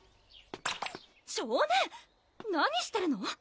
少年⁉何してるの？